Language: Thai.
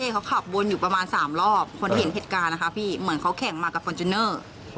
เขาขับวนอยู่ประมาณ๓รอบคนที่เห็นเหตุการณ์นะคะพี่เหมือนเขาแข่งมากับฟอร์จูเนอร์